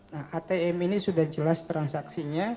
nah atm ini sudah jelas transaksinya